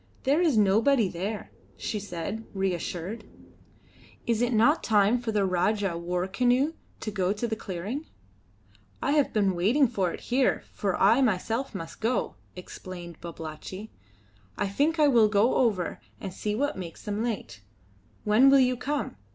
"There is nobody there," she said, reassured. "Is it not time for the Rajah war canoe to go to the clearing?" "I have been waiting for it here, for I myself must go," explained Babalatchi. "I think I will go over and see what makes them late. When will you come?